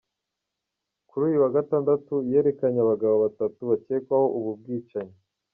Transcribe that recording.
Kuri uyu wa Gatandatu yerekanye abagabo batatu bakekwaho ubu bwicanyi.